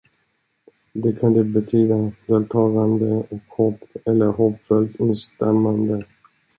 Det kunde betyda deltagande och hopp eller hoppfullt instämmande.